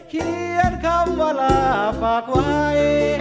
เขียนคำว่าลาฝากไว้